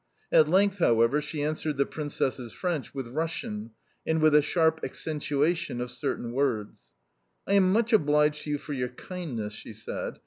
At length, however, she answered the Princess's French with Russian, and with a sharp accentuation of certain words. "I am much obliged to you for your kindness," she said.